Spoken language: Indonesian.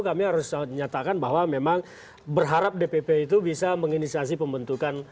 kami harus menyatakan bahwa memang berharap dpp itu bisa menginisiasi pembentukan